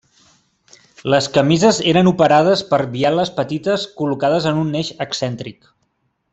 Les camises eren operades per bieles petites col·locades en un eix excèntric.